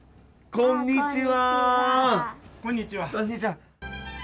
こんにちは。